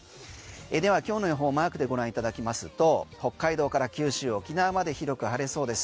では今日の予報マークでご覧いただきますと北海道から九州、沖縄まで広く晴れそうです。